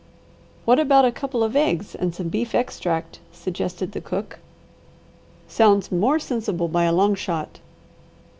"What about a couple of eggs and some beef extract?" suggested the cook. "Sounds more sensible by a long shot."